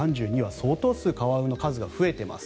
相当数カワウの数が増えています。